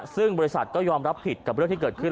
ซึ่งบริษัทก็ยอมรับผิดกับเรื่องที่เกิดขึ้น